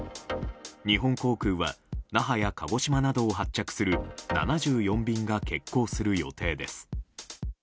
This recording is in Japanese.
日本航空は那覇や鹿児島などを発着する７４便が欠航する予定です。